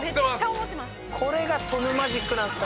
これがトムマジックなんですよ！